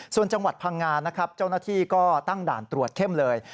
ส่วนจังหวัดพังงานะครับเจ้าหน้าที่ก็ตั้งด่านตรวจเข้มเลย